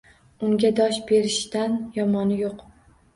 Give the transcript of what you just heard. Unga dosh berishdan yomoni yo‘q.